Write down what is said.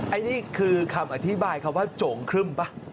อันนี้คือคำอธิบายคำว่าโจ่งครึ่มป่ะ